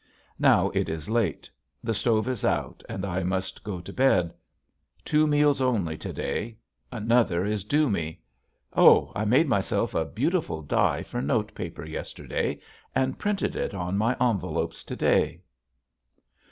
Now it is late. The stove is out and I must go to bed. Two meals only to day, another is due me. Oh! I made myself a beautiful die for note paper yesterday and printed it on my envelopes to day.